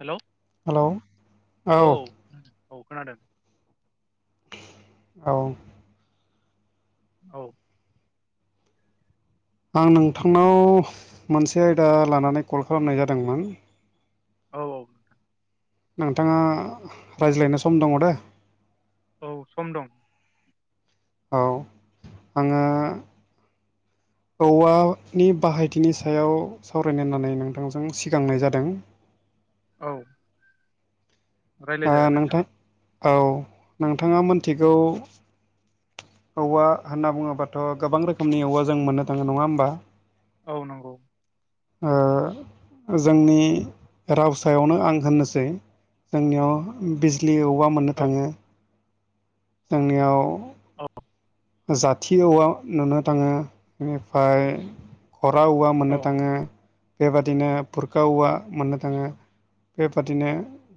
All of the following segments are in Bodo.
हेलौ हेलौ औ औ खोनादों। औ औ आं नोंथांनाव मोनसे आयदा लानानै कल खालामनाय जादोंमोन। औ औ नोंथां नोंथाङा रायज्लायनो सम दङ दे औ सम दं। औ आङो औवानि बाहायथिनि सायाव सावरायनो होननानै नोंथांजों सिगांनाय जादों। औ ओ नोंथां औ नोंथाङा मोनथिगौ औवा होनना बुङोबाथ' गोबां रोखोमनि औवा जों मोननो थाङो नङा होमबा? औ नंगौ। ओ ओ जोंनि राव सायावनो आं होननोसै जोंनियाव बिजलि औवा मोननो औ थाङो। जोंनियाव अ जाथि औवा नुनो थाङो इनिफाय खरा औवा मोननो औ थाङो बेबादिनो भुरका औवा मोननो थाङो। बेबादिनो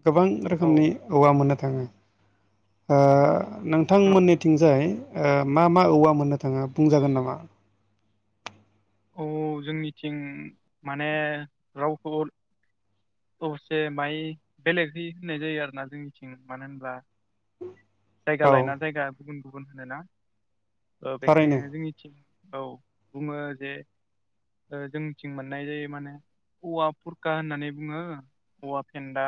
गोबां औ रोखोमनि औवा मोननो थाङो। ओ औ नोंथांमोननिथिंजाय ओ मा मा औवा मोननो थाङो बुंजागोन नामा? औ जोंनिथिं माने रावखौन अबसे माय बेलेगहै होननाय जायो आरोना जोंनिथिं मानो होनब्ला जायगा औ लायना जायगा गुबुन गुबुन होनोना ओ थारैनो बेखायनो जोंनिथिं औ बुङो जे ओ जोंनिथिं मोननाय जायो माने औवा भुरका होननानै बुङो औवा फेन्दा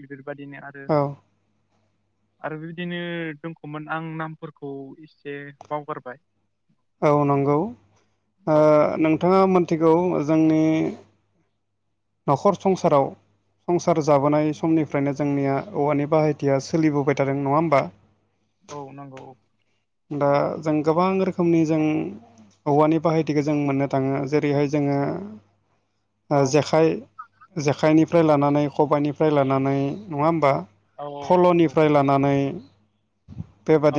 बेफोरबादिनो आरो [inaudible] आरो बेबायदिनो दंखौमोन आं नामफोरखौ एसे बावगारबाय। औ नंगौ ओ औ नोंथाङा मोनथिगौ ओ जोंनि न'खर संसाराव संसार जाबोनाय समनिफ्रायनो जोंनिया औवानि बाहायथिया सोलिबोबाय थादों नङा होमबा? औ नंगौ अ दा जों गोबां रोखोमनि जों औवानि बाहायथिखौ जों मोननो थाङो जेरैहाय जोङो ओ औ जेखाइ जेखाइनिफ्राय लानानै खबाइनिफ्राय लानानै नङा होमबा? औ फल'निफ्राय लानानै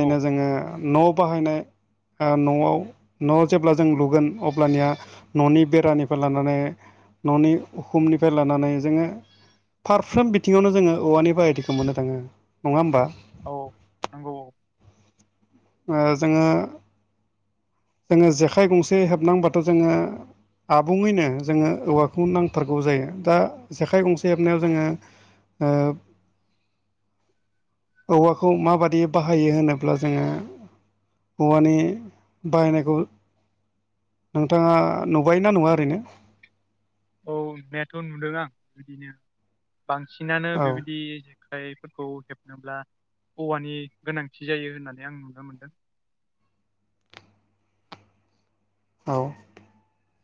औ जोङो ओम न' बाहायनाय ओ न'आव न' जेब्ला जों लुगोन अब्लानिया न'नि बेरानिफाय लानानै न'नि उखुमनिफाय लानानै जोङो फारफ्रोम बिथिङावनो जोङो औवानि बाहायथिखौ मोननो थाङो नङा होमबा? औ नंगौ अ ओ जोङो जोङो जेखाइ गंसे हेबनांबाथ' जोङो आबुङैनो जोङो औवाखौ नांथारगौ जायो दा जेखाइ गंसे हेबनायाव जोङो ओब औवाखौ माबादि बाहायो होनोब्ला जोङो औवानि बाहायनायखौ नोंथाङा नुबाय ना नुवा ओरैनो औ नुनायाथ' नुदों आं बिदिनो बांसिनानो औ बेबायदि जो खाइफोरखौ हेबनोब्ला औवानि गोनांथि जायो होननानै आं नुनो मोन्दों। औ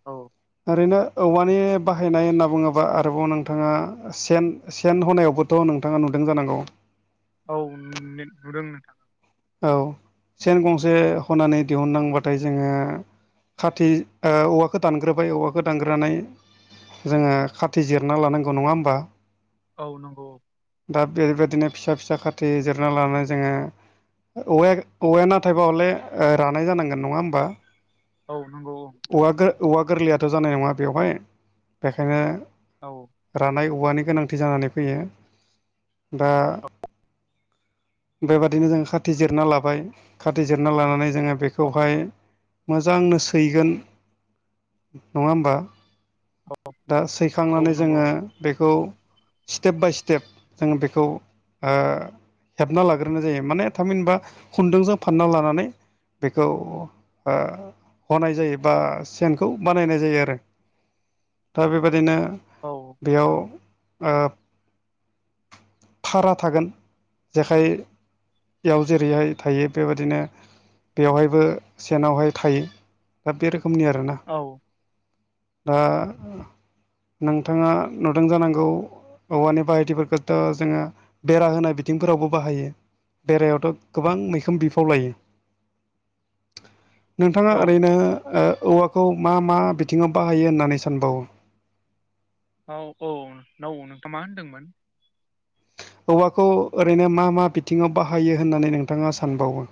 औ ओरैनो औवानि बाहायनाय होनना बुङोबा आरोबाव नोंथाङा ओ सेन सेन हनायावबोथ' नोंथाङा नुदों जानांगौ औ ने नुदों नोंथां। औ सेन गंसे हनानै दिहुननांबाथाय जोंङो खाथि ओ औवाखौ दानग्रोबाय औवाखौ दानग्रोनानै जोंङो खाथि जिरना लानांगौ नङा होमबा? औ नंगौ। दा बेबायदिनो फिसा फिसा खाारथि जिरना लानानै जोंङो औवाया औवाया नाथायबा हले रानाय जानांगोन नङा होमबा? औ नोंगौ औ औवा औवा गोरलैयाथ' जानाय नङा बेवहाय बेखायनो औ रानाय औवानि गोनांथि जानानै फैयो दा बेबादिनो जों खाथि जिरना लाबाय खाथि जिरना लानानै जोंङो बेखौहाय मोजांनो सैगोन नङा होमबा औ दा औ सैखांनानै नंगौ जोंङो बेखौ स्टेप बाय स्टेप जोंङो बेखौ ओ हेबना लाग्रोनाय जायो माने थामहिनबा खुन्दुंजों फानना लानानै बेखौ हनाय जायो। बा सेनखौ बानायनाय जायो आरो दा बेबादिनो औ नोंथां बेयाव औ ओ थारा थागोन जेखाइयाव जेरैहाय थायो बेबायादिनो बेवहायबो सेनावहाय थायो दा बे रोखोमनि आरोना। औ ओ नोंथाङा नुदों जानांगौ औवानि बाहायटिफोरखौथ' जोंङो बेरा होनाय बिथिंफोरावबो बाहायो। बेरायावथ गोबां मैखोम बिफाव लायो। नोंथाङा औ ओरैनो औवाखौ मा मा बिथिङाव बाहायो होननानै सानबावो? औ औ नौ नोंथां मा होनदोंमोन? औवाखौ ओरैनो मा मा बिथिङाव बाहायो होननानै नोंथाङा सानबावो?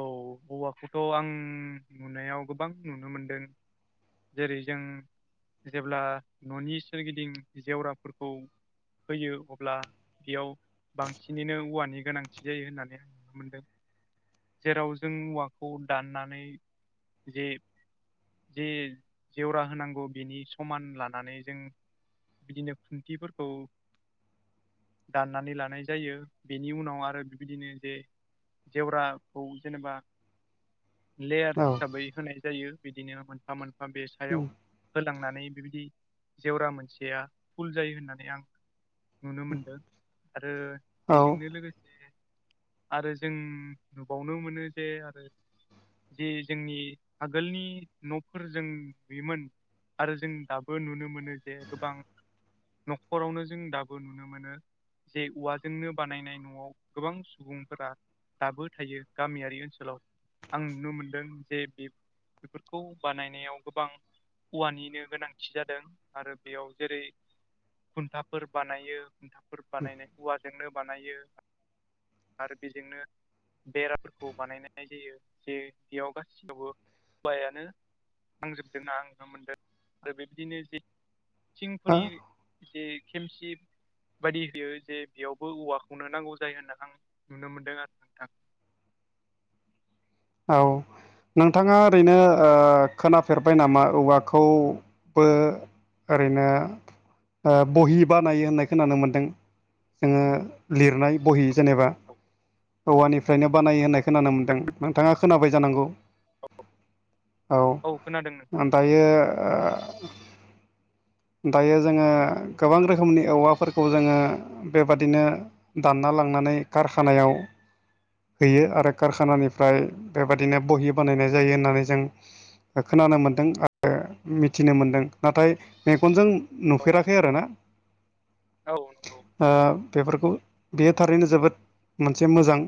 औ औवाखौथ' आं नुनायाव गोबां नुनो मोनदों। जेरै जों जेब्ला ननि सोरगिदिं जेवराफोरखौ फैयो अब्ला बेयाव बांसिनैनो औवानि गोनांथि जायो होननानै आं नुनो मोनदों। जेराव जों औवाखौ दाननानै जे जे जेवरा होनांगौ बिनि समान लानानै जों बिदिनो खुन्थिफोरखौ दाननानै लानाय जायो बेनि उनाव आरो बेबिदिनो जे जेवरा खौ जेनेबा लेयार औ हिसाबै होनाय जायो बिदिनो मोनफा मोनफा बा बे सायाव होलांनानै बेबायदि जेवरा मोनसेया फुल जायो होननानै आं नुनो मोनदों आरो औ बेजोंनो लोगोसे आरो जों नुबावनो मोनो जे आरो जे जोंनि आगोलनि नफोर जों लुयोमोन। आरो जों दाबो नुनो मोनो जे गोबां न'खरावनो जों दाबो नुनो मोनो। जे औवाजोंनो बानायनाय न'आव गोबां सुबुंफोरा दाबो थायो गामियारि ओनसोलाव आं नुनो मोनदों जे बे बेफोरखौ बानायनायाव गोबां औवानिनो गोनांथि जादों आरो बेयाव जेरै खुन्थाफोर बानायो खुन्थाफोर बानायनाय औवाजोंनो बानायो। आरो बेजोंनो बेराफोरखौ बानायनाय जायो। जे बेयाव गासियावबो औवायानो थांजोबदों होनना आं नुनो मोनदों आरो बेबायदिनो जे थिंफोरनि जे खेमसि। बायदि बियो जे बियावबो औवाखौनो नांगौ जायो होनना आं नुनो मोनदों आरो थां औ नोंथाङा ओरैनो ओ खोनाफेरबाय नामा औवाखौबो ओरैनो ओ बहि बानायो होननाय खोनानो मोन्दों। नोङो लिरनाय बहि जेनेबा औवानिफ्रायनो बानायो होननाय खोनानो मोन्दों नोंथाङा खोनाबाय जानांगौ। औ औ खोनादों नोंथां। दायो ओ दायो जोङो गोबां रोखोमनि औवाफोरखौ जोङो बेबादिनो दानना लांनानै कारखानायाव हैयो आरो कारखानानिफ्राय बेबायादिनो बहि बानायनाय जायो होननानै जों ओ खोनानो मोनदों आरो मिथिनो मोनदों नाथाय मेगनजों औ नुफेराखै आरोना। औ नंगौ। ओ बेफोरखौ बेयो थारैनो जोबोद मोनसे मोजां।